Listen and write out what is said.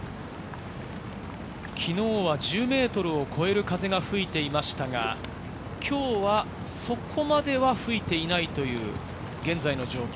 昨日は１０メートルを超える風が吹いていましたが、今日はそこまでは吹いていないという現在の状況。